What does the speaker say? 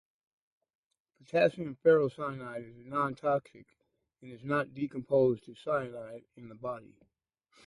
Potassium ferrocyanide is nontoxic, and is not decomposed to cyanide in the body.